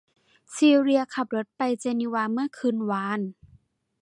ซีเลียขับรถไปเจนีวาเมื่อคืนวาน